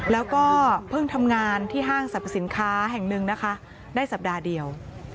แล้วก็เพิ่งทำงานที่ห้างสรรพสินค้าแห่งหนึ่งนะคะได้สัปดาห์เดียว